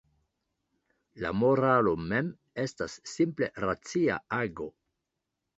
La moralo mem estas simple racia ago.